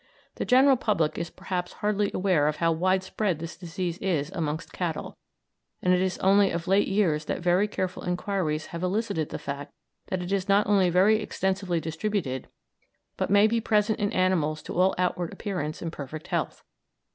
The general public is perhaps hardly aware of how widespread this disease is amongst cattle, and it is only of late years that very careful inquiries have elicited the fact that it is not only very extensively distributed, but may be present in animals to all outward appearance in perfect health.